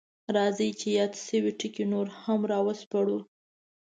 راځئ چې یاد شوي ټکي نور هم راوسپړو: